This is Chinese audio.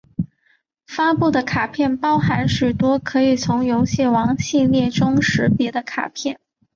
发布的卡片包含许多可以从游戏王系列中识别的卡片！